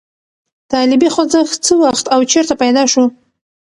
طالبي خوځښت څه وخت او چېرته پیدا شو؟